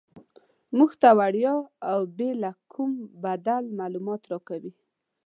موږ ته وړیا او بې له کوم بدل معلومات راکوي.